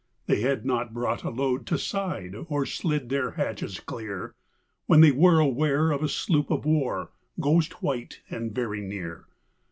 They had not brought a load to side or slid their hatches clear, When they were aware of a sloop of war, ghost white and very near.